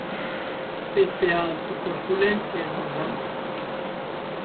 Pese a su corpulencia es muy rápido.